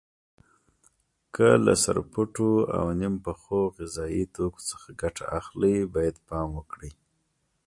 که له سرپټو او نیم پخو غذایي توکو څخه ګټه اخلئ باید پام وکړئ.